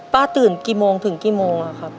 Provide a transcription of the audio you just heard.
ตื่นกี่โมงถึงกี่โมงอะครับ